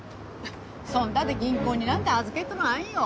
そんだで銀行になんて預けとらんよ。